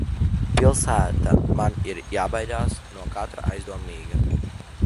Pilsētā man ir jābaidās no katra aizdomīga.